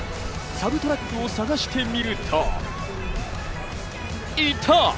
サブトラックを捜してみると、いた！